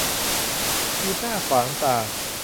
กีดหน้าขวางตา